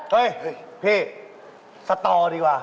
เฮ้ยพี่สตอดีกว่า